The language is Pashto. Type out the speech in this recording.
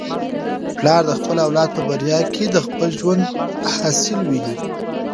پلار د خپل اولاد په بریا کي د خپل ژوند حاصل ویني.